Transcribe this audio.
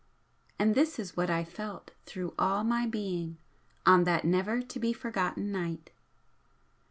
And this is what I felt through all my being on that never to be forgotten night.